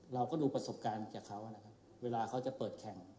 เราก็ดูประสบการณ์จากเขานะครับเวลาเขาจะเปิดแข่ง